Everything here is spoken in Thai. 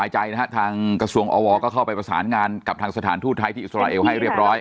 ทางกระทรวงอวก็เข้าไปประสานงานกับทางสถานทูตไทยที่อิสราเอลให้เรียบร้อย